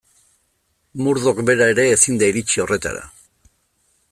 Murdoch bera ere ezin da iritsi horretara.